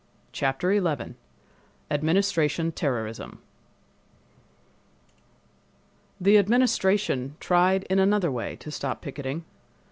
Chapter 11 Administration Terrorism The Administration tried in another way to stop picketing.